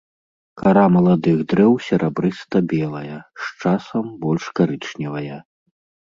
Кара маладых дрэў серабрыста-белая, з часам больш карычневая.